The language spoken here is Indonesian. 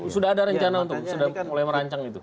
sudah ada rencana untuk sudah mulai merancang itu